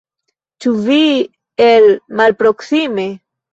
Ĉu vi el malproksime?